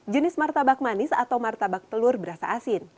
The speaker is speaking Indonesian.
jenis martabak manis atau martabak telur berasa asin